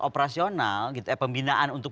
operasional pembinaan untuk